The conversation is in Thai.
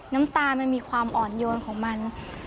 น้ำตาลมันมีความอ่อนโยนของมัน